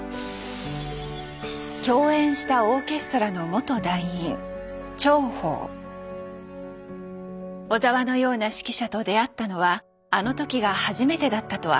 共演したオーケストラの元団員小澤のような指揮者と出会ったのはあの時が初めてだったと明かします。